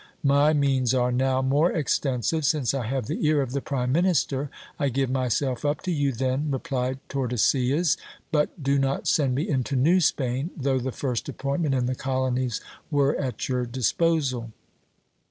My means are now more extensive, since I have the ear of the prime minister. I give myself up to you then, replied Tordesillas ; but do not send me into New Spain, though the first appointment in the colonies were at your disposal.